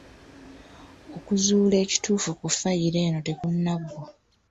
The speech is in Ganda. Okuzuula ekituufu ku ffayiro eno tekunnaggwa.